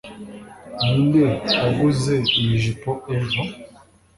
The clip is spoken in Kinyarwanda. ninde waguze iyi jipo ejo